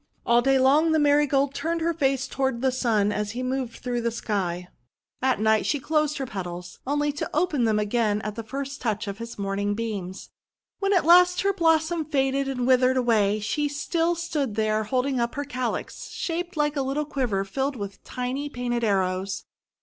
All day long the Marigold turned her face toward the Sun as he moved through the sky. At night she closed her petals, only to open them again at the first touch of his morning beams. When at last her blossom faded and withered away, she still stood there holding up her calyx, shaped like a little quiver filled with tiny painted arrows.